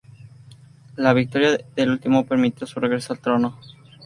La victoria del último permitió su regreso al trono.